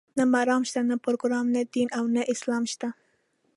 نه مرام شته، نه پروګرام، نه دین او نه اسلام شته.